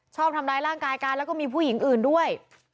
ชอบทำร้ายร่างกายกันแล้วก็มีผู้หญิงอื่นด้วย